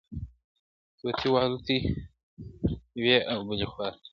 طوطي والوتی یوې او بلي خواته.!